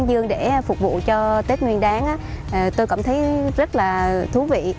dương để phục vụ cho tết nguyên đáng tôi cảm thấy rất là thú vị